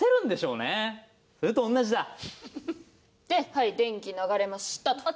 はい電気流れましたと。